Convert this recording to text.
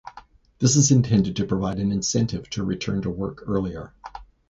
This is intended to provide an incentive to return to work earlier.